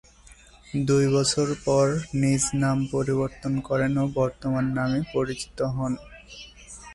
দুই বছর পর নিজ নাম পরিবর্তন করেন ও বর্তমান নামে পরিচিত হন।